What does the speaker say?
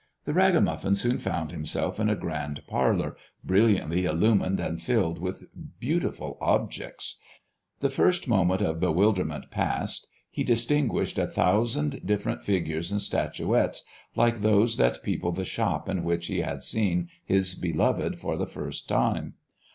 The ragamuffin soon found himself in a grand parlor brilliantly illumined and filled with beautiful objects. The first moment of bewilderment passed, he distinguished a thousand different figures and statuettes, like those that peopled the shop in which he had seen his beloved for the first time.